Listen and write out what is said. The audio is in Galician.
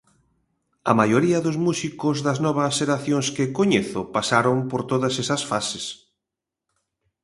A maioría dos músicos das novas xeracións que coñezo pasaron por todas esas fases.